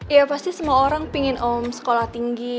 ya pasti semua orang pingin om sekolah tinggi